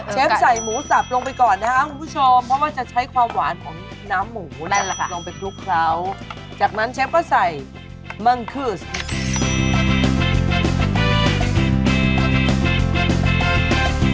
เชฟใส่หมูสับลงไปก่อนนะครับคุณผู้ชมเพราะว่าจะใช้ความหวานของน้ำหมูลงไปคลุกเคราะห์